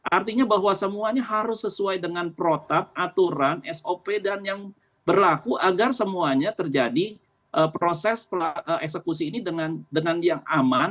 artinya bahwa semuanya harus sesuai dengan protap aturan sop dan yang berlaku agar semuanya terjadi proses eksekusi ini dengan yang aman